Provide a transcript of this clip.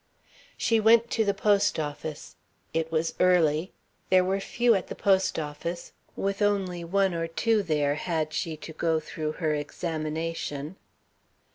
She went to the post office. It was early, there were few at the post office with only one or two there had she to go through her examination.